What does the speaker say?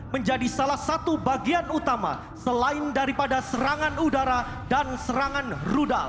menjadi salah satu bagian utama selain daripada serangan udara dan serangan rudal